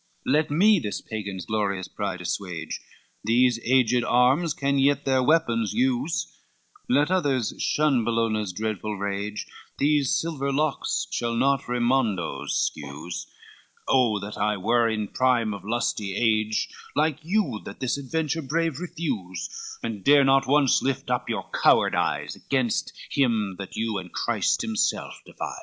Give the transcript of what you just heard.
LXIII "Let me this Pagan's glorious pride assuage, These aged arms can yet their weapons use, Let others shun Bellona's dreadful rage, These silver locks shall not Raymondo scuse: Oh that I were in prime of lusty age, Like you that this adventure brave refuse, And dare not once lift up your coward eyes, Gainst him that you and Christ himself defies!